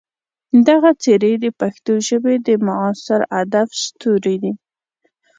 دغه څېرې د پښتو ژبې د معاصر ادب ستوري دي.